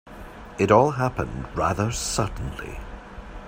It all happened rather suddenly.